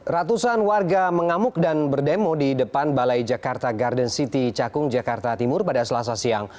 ratusan warga mengamuk dan berdemo di depan balai jakarta garden city cakung jakarta timur pada selasa siang